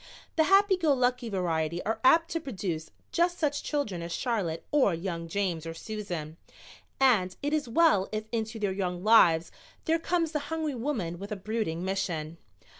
The happy go lucky variety are apt to produce just such children as Charlotte or young James or Susan, and it is well if into their young lives there comes the hungry woman with a brooding mission.